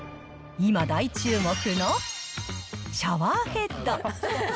今、大注目のシャワーヘッド。